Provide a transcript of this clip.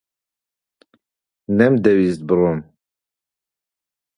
نەمدەویست بڕۆم.